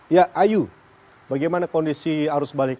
ya ayu bagaimana kondisi arus balik